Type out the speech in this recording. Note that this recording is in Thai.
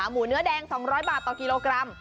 หมูเนื้อแดง๒๐๐บาทต่อกิโลกรัม